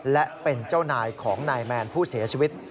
และเป็นเจ้านายของนายแมนผู้เสียชีวิต